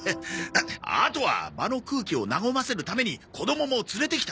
ああとは場の空気を和ませるために子供も連れてきた。